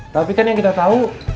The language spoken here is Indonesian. tapi kan yang kita tahu